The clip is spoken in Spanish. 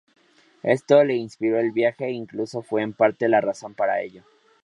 Esto les inspiró el viaje, e incluso fue en parte la razón para ello.